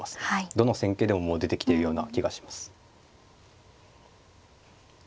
どの戦型でももう出てきているような気がします。